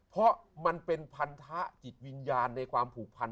เพราะมันเป็นพันธะจิตวิญญาณในความผูกพัน